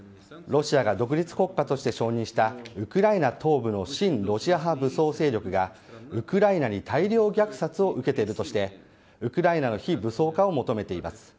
ロシアが独立国家として承認したウクライナ東部の親ロシア派武装勢力がウクライナに大量虐殺を受けているとしてウクライナの非武装化を求めています。